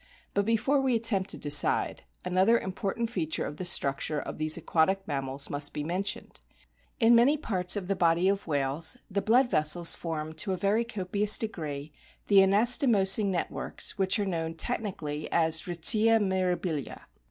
But before we attempt to decide, another important feature of the structure of these aquatic mammals must be mentioned. In many parts of the body of whales the blood vessels form to a very copious degree the anastomosing networks which are known technically as " retia mirabilia."